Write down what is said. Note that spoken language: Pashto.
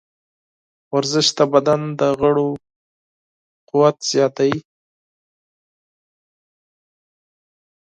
ورزش د بدن د غړو قوت زیاتوي.